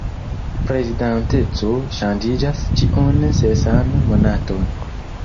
Prezidanteco ŝanĝiĝas ĉiun sesan monaton.